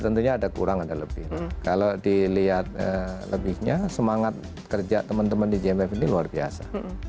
tentunya ada kurang ada lebih kalau dilihat lebihnya semangat kerja teman teman di jmf ini luar biasa